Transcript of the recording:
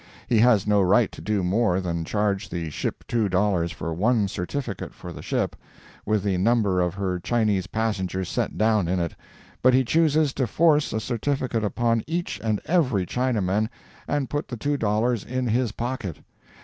He has no right to do more than charge the ship two dollars for one certificate for the ship, with the number of her Chinese passengers set down in it; but he chooses to force a certificate upon each and every Chinaman and put the two dollars in his pocket.